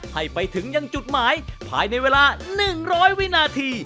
ให้ไปถึงยังจุดหมายภายในเวลา๑๐๐วินาที